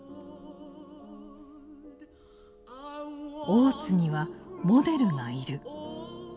大津にはモデルがいる。